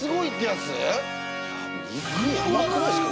肉やばくないですか？